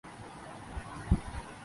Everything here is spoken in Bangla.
ভাবিতে লাগিলাম, কী করি।